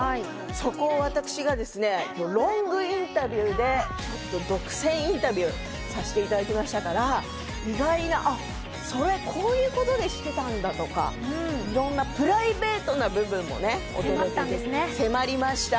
そこを私がロングインタビューで独占インタビューさせていただきましたから、意外な、それ、ああいうことでしてたんだとか、プライベートな部分に迫りました。